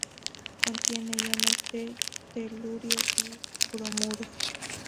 Contiene iones de telurio y bromuro.